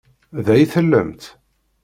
Da i tellamt?